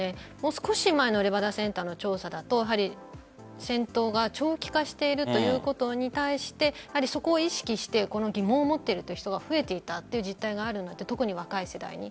少し前のレバダセンターの調査だと戦闘が長期化しているということに対してそこを意識して疑問を持っているという人が増えていたという実態があるので特に若い世代に。